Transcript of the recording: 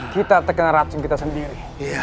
kita terkena racun kita sendiri